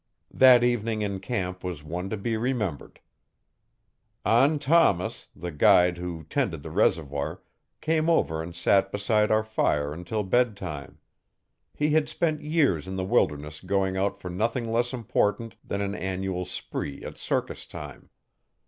That evening in camp was one to be remembered. An Thomas, the guide who tended the reservoir, came over and sat beside our fire until bedtime. He had spent years in the wilderness going out for nothing less important than an annual spree at circus time.